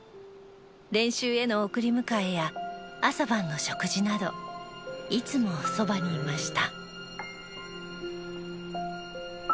練習への送り迎えや朝晩の食事などいつもそばにいました。